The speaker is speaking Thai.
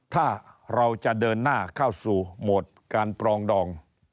ถ้าเราจะเดินหน้าเข้าสู่โหมดการปรองดอง